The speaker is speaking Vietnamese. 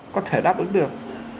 có thể đáp ứng được